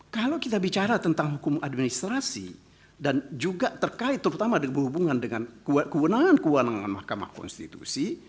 kalau kita bicara tentang hukum administrasi dan juga terkait terutama berhubungan dengan kewenangan kewenangan mahkamah konstitusi